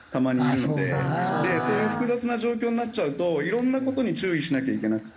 そういう複雑な状況になっちゃうといろんな事に注意しなきゃいけなくて。